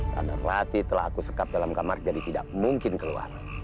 karena ratih telah aku sekap dalam kamar jadi tidak mungkin keluar